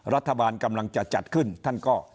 รัฐบาลกำลังจะจัดขึ้นท่านก็